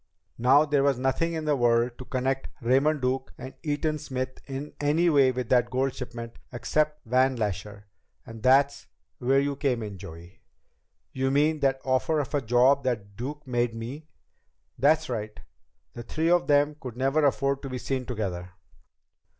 "Now there was nothing in the world to connect Raymond Duke and Eaton Smith in any way with that gold shipment except Van Lasher. And that's where you come in, Joey." "You mean that offer of a job that Duke made me?" "That's right. The three of them could never afford to be seen together.